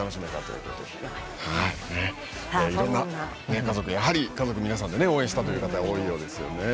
いろんな家族家族皆さんで応援したという方が多いようですよね。